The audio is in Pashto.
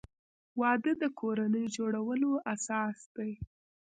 وادۀ د کورنۍ جوړولو اساس دی.